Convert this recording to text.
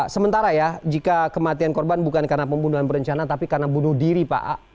sementara ya jika kematian korban bukan karena pembunuhan berencana tapi karena bunuh diri pak